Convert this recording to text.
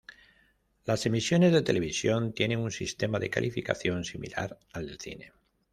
Las emisiones de televisión tienen un sistema de calificación similar al del cine.